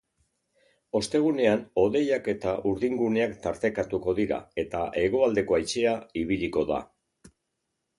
Ostegunean, hodeiak eta urdinguneak tartekatuko dira eta hegoaldeko haizea ibiliko da.